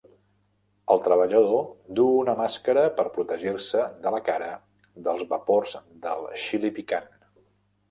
El treballador duu una màscara per protegir-se la cara dels vapors del xili picant.